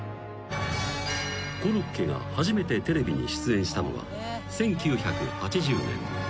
［コロッケが初めてテレビに出演したのは１９８０年］